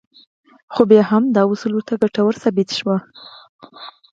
خو بيا هم دا اصول ورته ګټور ثابت شوي وو.